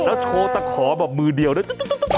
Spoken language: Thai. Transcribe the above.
แล้วโชว์ตะขอแบบมือเดียวด้วย